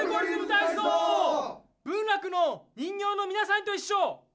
文楽の人形のみなさんといっしょ！